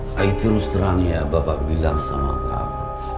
saya terus terang ya bapak bilang sama kamu